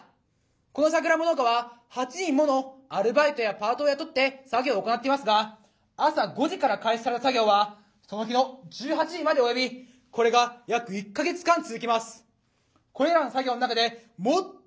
このさくらんぼ農家は８人ものアルバイトやパートを雇って作業を行っていますが朝５時から開始される作業はその日の１８時まで及びこれが約１か月間続きます。